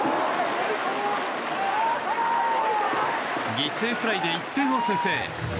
犠牲フライで１点を先制。